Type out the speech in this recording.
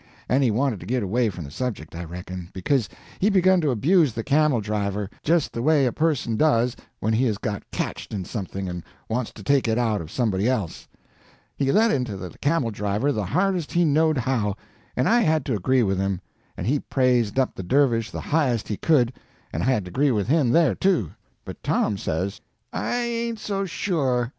And he wanted to git away from the subject, I reckon, because he begun to abuse the camel driver, just the way a person does when he has got catched in something and wants to take it out of somebody else. He let into the camel driver the hardest he knowed how, and I had to agree with him; and he praised up the dervish the highest he could, and I had to agree with him there, too. But Tom says: "I ain't so sure.